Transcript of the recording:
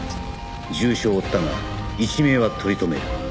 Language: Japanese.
重傷を負ったが一命は取り留める